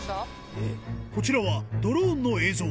こちらはドローンの映像。